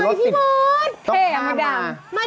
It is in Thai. โอ้โฮพี่โม๊ตต้องเข้ามาตากฝนมา